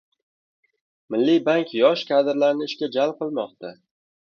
Milliy bank yosh kadrlarni ishga jalb qilmoqda